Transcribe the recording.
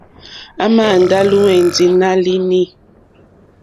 À mà ndá lùwɛ̀ndì nǎ línì.